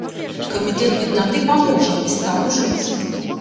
Камітэт беднаты паможа, і стану жыць.